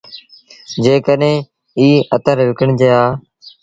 جيڪڏهينٚ ايٚ اتر وڪڻجي هآ